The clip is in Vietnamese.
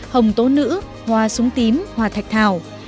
hồng tố nữ hoa súng tím hoa thạch thảo